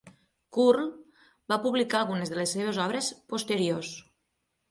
Curll va publicar algunes de les seves obres posteriors.